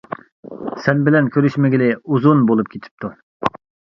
سەن بىلەن كۆرۈشمىگىلى ئۇزۇن بولۇپ كېتىپتۇ.